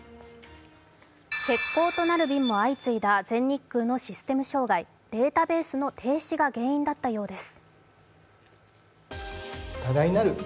欠航となる便もあったＡＮＡのシステム障害、データベースの停止が原因だったようです。